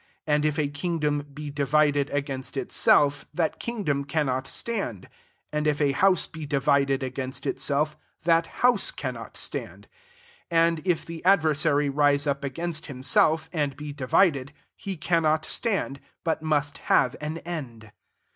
24 And if a kingdom be divided against it self that kingdom cannot stand 25 And if a house be divided against itself, that house can not stand: ^6 and if the adver sary rise up against himself, and be divided, he cannot stand ; but must have an end.